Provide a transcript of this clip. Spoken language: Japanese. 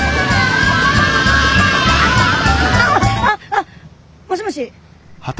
ああもしもし。